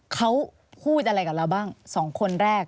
เขาพูดอะไรกับเราบ้าง๒คนแรก